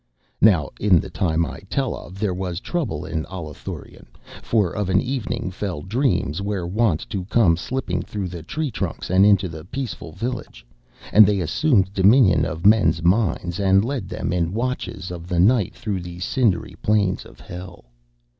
Now in the time I tell of, there was trouble in Allathurion, for of an evening fell dreams were wont to come slipping through the tree trunks and into the peaceful village; and they assumed dominion of men's minds and led them in watches of the night through the cindery plains of Hell.